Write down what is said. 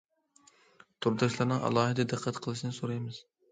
تورداشلارنىڭ ئالاھىدە دىققەت قىلىشنى سورايمىز.